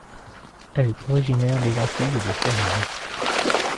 Elle est originaire des Antilles et de Floride.